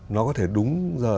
nó có thể đúng giờ